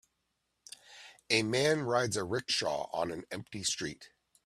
A man rides a rickshaw on an empty street